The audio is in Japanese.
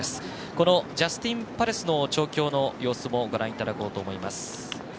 このジャスティンパレスの調教の様子もご覧いただこうと思います。